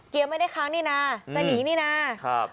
ไม่ได้ค้างนี่นะจะหนีนี่นะครับ